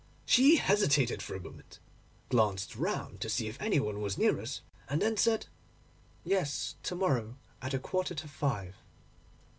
She hesitated for a moment, glanced round to see if any one was near us, and then said, "Yes; to morrow at a quarter to five."